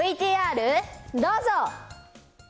ＶＴＲどうぞ。